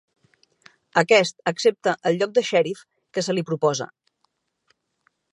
Aquest accepta el lloc de xèrif que se li proposa.